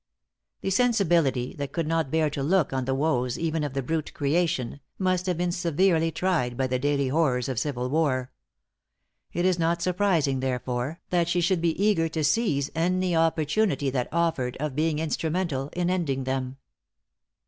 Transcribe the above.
The sensibility that could not bear to look on the woes even of the brute creation, must have been severely tried by the daily horrors of civil war. It is not surprising, therefore, that she should be eager to seize any opportunity that offered, of being instrumental in ending them.